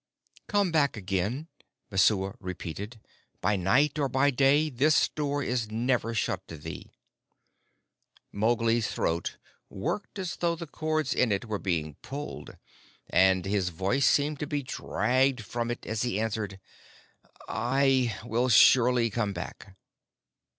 "Come back again," Messua repeated. "By night or by day this door is never shut to thee." Mowgli's throat worked as though the cords in it were being pulled, and his voice seemed to be dragged from it as he answered, "I will surely come back."